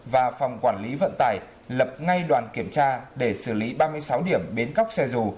và phòng quản lý vận tải lập ngay đoàn kiểm tra để xử lý ba mươi sáu điểm bến cóc xe dù